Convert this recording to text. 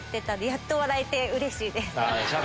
やっと笑えてうれしいです。